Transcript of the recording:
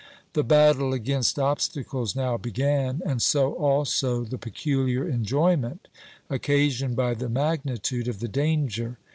The battle against obstacles now began, and so also the peculiar enjoyment occasioned by the magnitude of the danger.